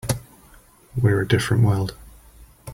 We're a different world.